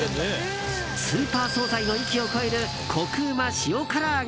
スーパー総菜の域を超えるコク旨塩唐揚。